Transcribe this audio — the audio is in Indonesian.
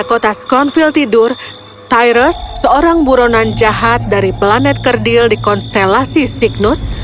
di kota scornfield tidur tyrus seorang buronan jahat dari planet kerdil di konstelasi cygnus